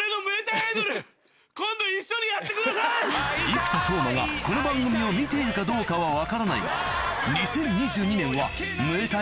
生田斗真がこの番組を見ているかどうかは分からないが２０２２年は無理だよ。